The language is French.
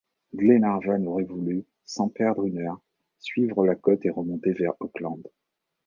Glenarvan aurait voulu, sans perdre une heure, suivre la côte et remonter vers Auckland.